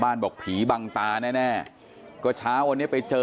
บอกผีบังตาแน่แน่ก็เช้าวันนี้ไปเจอ